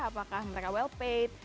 apakah mereka well paid